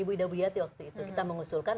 ibu ida buyati waktu itu kita mengusulkan